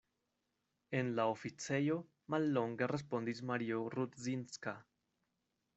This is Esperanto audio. En la oficejo, mallonge respondis Mario Rudzinska.